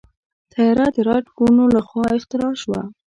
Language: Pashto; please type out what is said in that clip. طیاره د رائټ وروڼو لخوا اختراع شوه.